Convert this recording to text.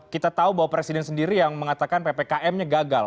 kita tahu bahwa presiden sendiri yang mengatakan ppkm nya gagal